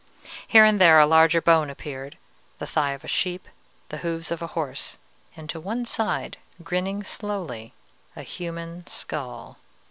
Here and there a larger bone appeared, the thigh of a sheep, the hoofs of a horse, and to one side, grinning slowly, a human skull.